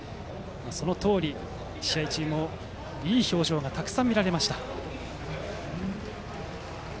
そのとおり、試合中もいい表情がたくさん見られました。